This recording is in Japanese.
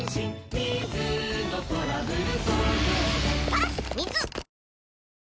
水のトラブル